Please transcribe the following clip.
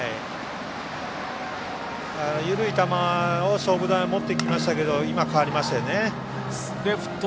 緩い球を勝負球に持ってきましたけど今、変わりましたよね。